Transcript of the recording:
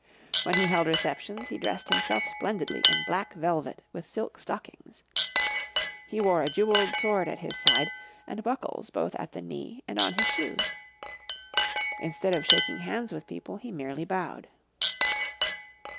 When he held receptions he dressed himself splendidly in black velvet with silk stockings. He wore a jeweled sword at his side and buckles both at the knee and on his shoes. Instead of shaking hands with people he merely bowed.